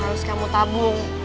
harus kamu tabung